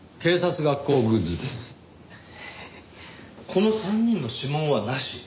この３人の指紋はなし？